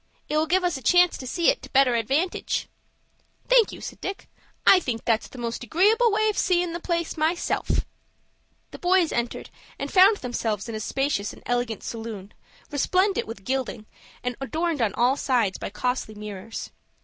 It will give us a chance to see it to better advantage." "Thank you," said Dick; "I think that's the most agreeable way of seein' the place myself." The boys entered, and found themselves in a spacious and elegant saloon, resplendent with gilding, and adorned on all sides by costly mirrors.